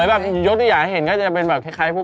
ถ้ามวยยกตริยาเห็นก็จะเป็นแบบคลิกไทยพวก